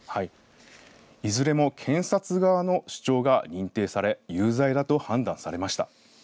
いずれも検察側の主張が認定され有罪だと判断されました。